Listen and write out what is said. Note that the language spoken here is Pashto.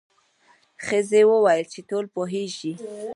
ښځې وویل چې ټول پوهیږي.